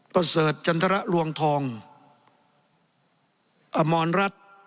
ประเสริฐจันทรลวงทองอมรรัฐ